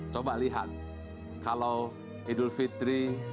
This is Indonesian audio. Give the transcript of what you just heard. coba lihat kalau idul fitri